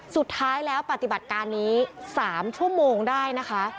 สุดท้ายแล้วปฏิบัติการนี้๓ชั่วโมงได้นะคะ